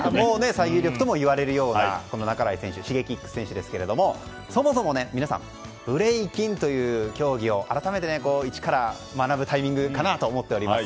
最有力ともいわれるようなＳｈｉｇｅｋｉｘ選手ですがそもそも皆さんブレイキンという競技を改めて一から学ぶタイミングかなと思っております。